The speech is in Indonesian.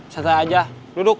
serta aja duduk